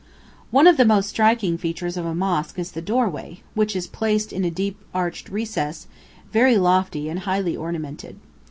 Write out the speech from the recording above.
One of the most striking features of a mosque is the doorway, which is placed in a deep arched recess, very lofty and highly ornamented.